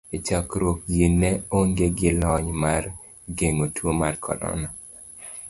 E chakruok ji ne onge gi lony mar geng'o tuo mar korona.